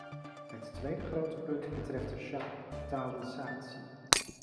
Het tweede grote punt betreft de chaptalisatie.